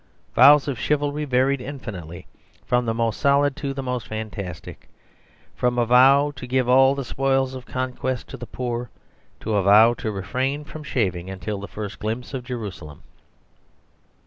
Vows of chivalry varied infinitely from the most solid to the most fantastic ; from a vow to give all the spoils of conquest to the poor to a vow to refrain from shaving until the first glimpse of Jerusalem.